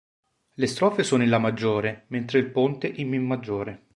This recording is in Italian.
Le strofe sono in La maggiore, mentre il ponte in Mi maggiore.